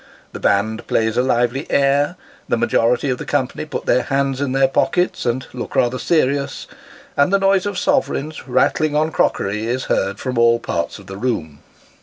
The band plays a lively air ; the majority of the company put their hands in their pockets and look rather serious; and the noise of sovereigns, rattling on crockery, is heard from all parts of the room.